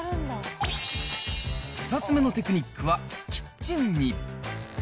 ２つ目のテクニックは、キッチンに。